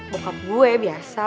bokap gue biasa